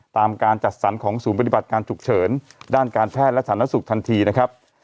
การจัดสรรของศูนย์ปฏิบัติการฉุกเฉินด้านการแพทย์และสาธารณสุขทันทีนะครับ